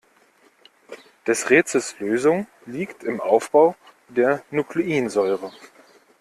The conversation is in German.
Des Rätsels Lösung liegt im Aufbau der Nukleinsäure.